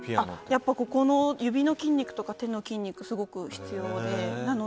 やっぱり指の筋肉とか手の筋肉がすごく必要で。